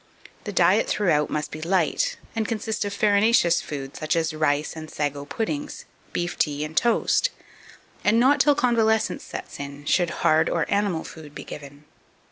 The diet throughout must be light, and consist of farinaceous food, such as rice and sago puddings, beef tea and toast; and not till convalescence sets in should hard or animal food be given.